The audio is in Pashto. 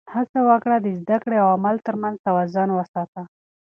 هڅه وکړه چې د زده کړې او عمل تر منځ توازن وساته.